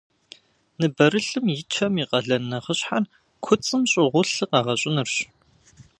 Ныбэрылъым и чэм и къалэн нэхъыщхьэр куцӏым щӏыгъуу лъы къэгъэщӏынырщ.